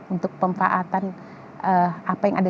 untuk pempaatan apa yang ada